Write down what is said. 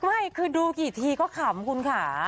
ไม่คือดูกี่ทีก็ขำคุณค่ะ